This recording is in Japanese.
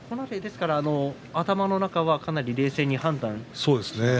頭の中は、かなり冷静に判断していたんですか？